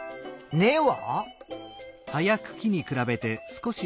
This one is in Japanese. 根は？